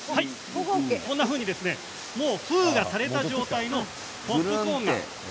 こんなふうに封がされた状態のポップコーンが。